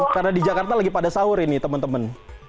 karena di jakarta lagi pada sahur ini teman teman